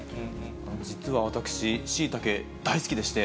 実は私、シイタケ大好きでして。